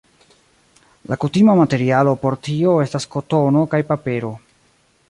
La kutima materialo por tio estas kotono kaj papero.